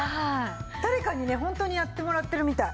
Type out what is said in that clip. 誰かにねホントにやってもらってるみたい。